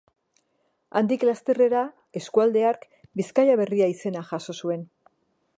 Handik lasterrera eskualde hark Bizkaia Berria izena jaso zuen.